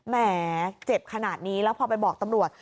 แหมเจ็บขนาดนี้แล้วพอไปบอกตำรวจ